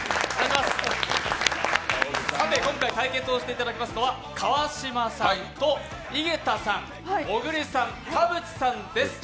今回対決をしていただきますのは川島さんと井桁さん、小栗さん、田渕さんです。